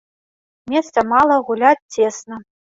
Месца мала, гуляць цесна.